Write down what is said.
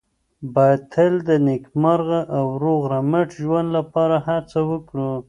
باید تل د نېکمرغه او روغ رمټ ژوند لپاره هڅه وکړو.